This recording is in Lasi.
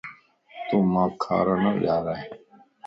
تون مانک کار نه ڄارائي